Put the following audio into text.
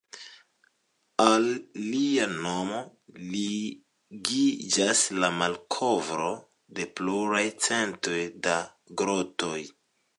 Al lia nomo ligiĝas la malkovro de pluraj centoj da grotoj.